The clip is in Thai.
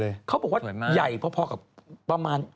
แต่ตอนนี้ออกมาเขาบอกว่าใหญ่พอกับพระภาคประมาณ